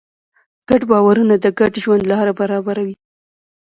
ګډ باورونه د ګډ ژوند لاره برابروي.